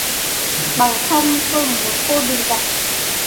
Bằng không, tôi muốn cô đừng gặp